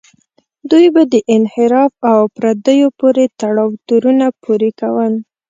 دوی به د انحراف او پردیو پورې تړاو تورونه پورې کول.